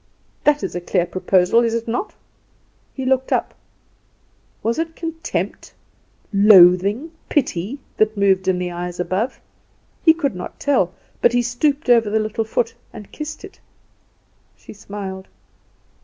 That is a clear proposal, is it not?" He looked up. Was it contempt, loathing, pity, that moved in the eyes above! He could not tell; but he stooped over the little foot and kissed it. She smiled.